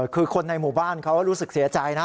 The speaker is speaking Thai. คือคนในหมู่บ้านเขารู้สึกเสียใจนะ